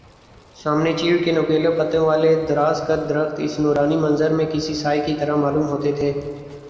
سامنے چیڑ کے نوکیلے پتوں والے دراز قد درخت اس نورانی منظر میں کسی سائے کی طرح معلوم ہوتے تھے